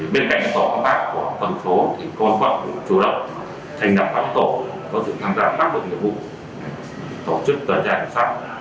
bên cạnh các tổ công tác của tầng số